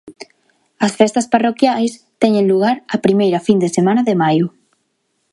As festas parroquiais teñen lugar a primeira fin de semana de maio.